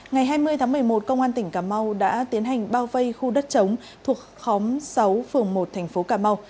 ngày hai mươi tháng một mươi một công an tỉnh cà mau đã tiến hành bao vây khu đất chống thuộc khóm sáu phường một thành phố cà mau